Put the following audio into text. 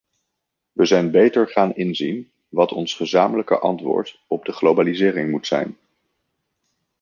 We zijn beter gaan inzien wat ons gezamenlijke antwoord op de globalisering moet zijn.